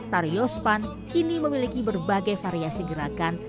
tari yospan kini memiliki berbagai variasi gerakan